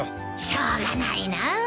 しょうがないなあ。